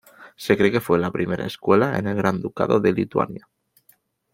Se cree que fue la primera escuela en el Gran Ducado de Lituania.